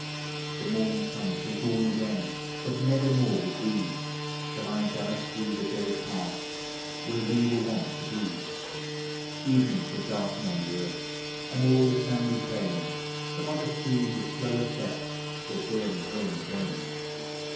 The morning sun shall dawn again, but never more with thee Shall I gallop through the desert paths, where wo were wont to be ; Evening shall darken on the earth, ami o'er the sandy plain Some other steed, with slower step, Shall bear me home again.